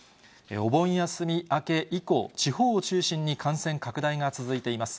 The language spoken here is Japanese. お盆休み明け以降、地方を中心に感染拡大が続いています。